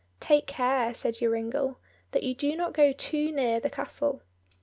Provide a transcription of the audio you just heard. "Take care," said Joringel, "that you do not go too near the castle."